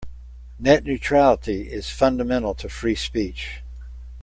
Net neutrality is fundamental to free speech.